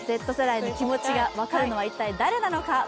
Ｚ世代の気持ちが分かるのは一体誰なのか。